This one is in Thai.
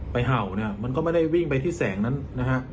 เห่าเนี่ยมันก็ไม่ได้วิ่งไปที่แสงนั้นนะฮะ